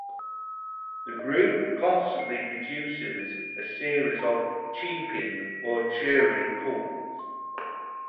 The group constantly produces a series of cheeping or churring calls.